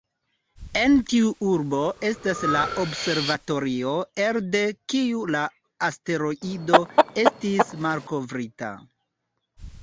En tiu urbo estas la observatorio elde kiu la asteroido estis malkovrita.